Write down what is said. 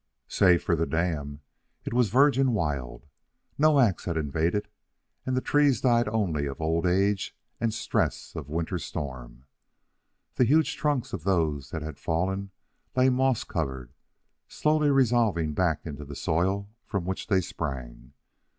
Save for the dam, it was a virgin wild. No ax had invaded, and the trees died only of old age and stress of winter storm. The huge trunks of those that had fallen lay moss covered, slowly resolving back into the soil from which they sprang.